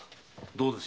どうです？